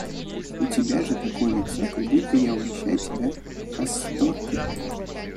– У тебя же такое лицо, как будто бы я угощаю тебя касторкой.